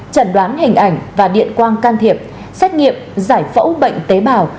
chẩn đoán hình ảnh và điện quang can thiệp xét nghiệm giải phẫu bệnh tế bào